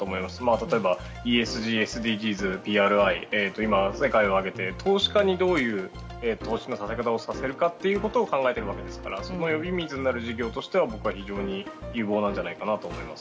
例えばＥＳＧ、ＳＤＧｓなど投資家にどういう投資のさせ方をさせるかということを考えているわけですからその呼び水になる事業としては僕はいいんじゃないかと思います。